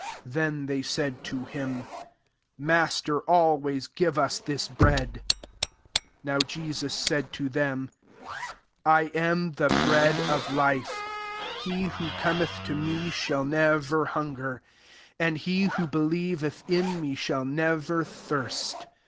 34 Then they said to him, '' Mas ter, always give us this bread." 35 [^ow] Jesus said to them, " I am the bread of life: he who Cometh to me, shall ne ver hunger; and he who be lieveth in me, shall never thirst.